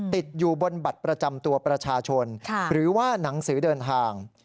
ติดอยู่บนบัตรประจำตัวประชาชนหรือว่าหนังสือเดินทาง